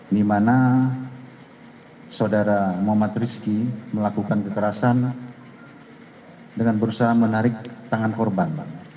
di mana saudara muhammad rizki melakukan kekerasan dengan berusaha menarik tangan korban